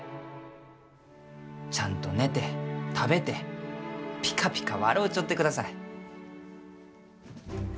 ちゃんと寝て食べてピカピカ笑うちょってください。